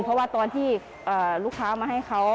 เพราะว่าตอนที่ลูกค้ามาให้เขา